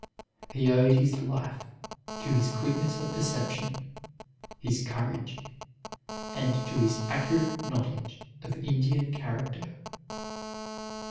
He owed his life to his quickness of perception, his courage, and to his accurate knowledge of Indian character.